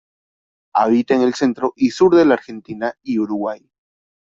Habita en el centro y sur de la Argentina y Uruguay.